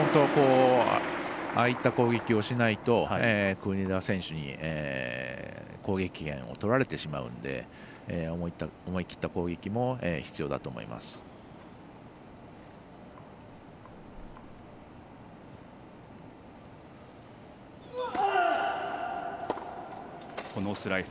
ああいった攻撃をしないと国枝選手に攻撃権をとられてしまうので思い切った攻撃も必要だと思います。